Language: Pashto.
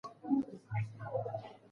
اقتصادي تړاو خبرې آسانوي.